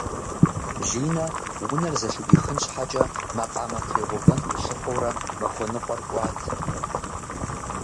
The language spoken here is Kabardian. Линэ унэр зэлъыӏуихын щхьэкӏэ макъамэ тригъувэн къилъыхъуэурэ махуэ ныкъуэр кӏуат.